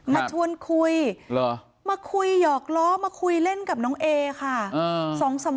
มาชวนคุยมาคุยหยอกล้อมาคุยเล่นกับน้องเอค่ะ